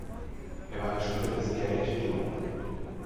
Er war ein Schüler des Gerrit Dou.